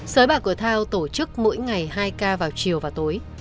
sới bạc của thao tổ chức mỗi ngày hai ca vào chiều và tối